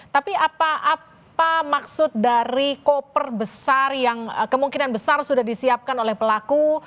tapi apa maksud dari koper besar yang kemungkinan besar sudah disiapkan oleh pelaku